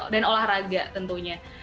dan olahraga tentunya